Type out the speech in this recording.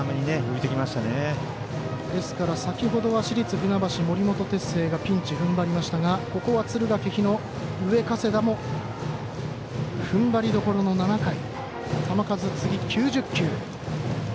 ですから、先ほどは市立船橋、森本哲星がピンチをふんばりましたがここは敦賀気比の上加世田もふんばりどころの７回。